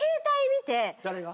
誰が？